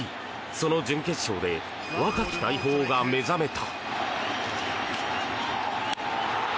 その準決勝で若き大砲が目覚めた！